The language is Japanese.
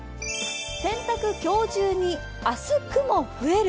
洗濯今日中に、明日雲増える。